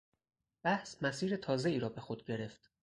بحث مسیر تازهای را به خود گرفت.